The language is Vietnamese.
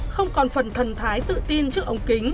không còn phần thần thái tự tin trước ống kính